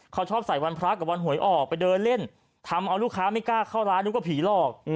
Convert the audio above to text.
เขาชอบใส่วันพระกับวันหวยออกไปเดินเล่นทำเอาลูกค้าไม่กล้าเข้าร้านนึกว่าผีหลอก